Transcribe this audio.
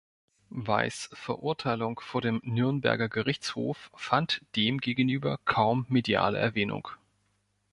Weiss' Verurteilung vor dem Nürnberger Gerichtshof fand demgegenüber kaum mediale Erwähnung.